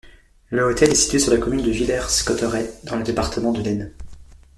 Le hôtel est situé sur la commune de Villers-Cotterêts, dans le département de l'Aisne.